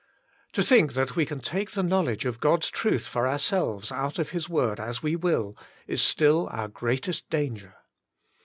To think that we can take the knowledge of God's truth for ourselves out of His word as we will, is still our greatest danger.